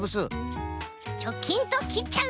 チョキンときっちゃう。